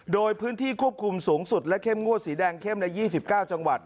โดยพื้นที่ควบคุมสูงสุดและเข้มงวดสีแดงเข้มใน๒๙จังหวัด